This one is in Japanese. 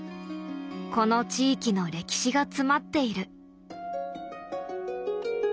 この地域の歴史が詰まっている。